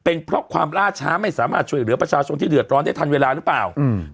เป็นเพราะความล่าช้าไม่สามารถช่วยเหลือประชาชนที่เดือดร้อนได้ทันเวลาหรือเปล่าอืม